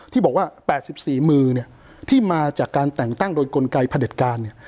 ที่บอกว่า๘๔มือเนี่ยที่มาจากการแต่งตั้งโดยกลไกพระเด็จการเนี่ย